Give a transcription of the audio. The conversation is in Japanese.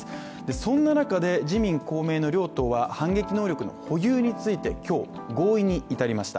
そんな中で自民・公明の両党は反撃能力の保有について今日、合意に至りました。